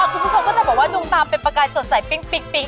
คุณผู้ชมก็จะบอกว่าดวงตาเป็นประกายสดใสปิ้ง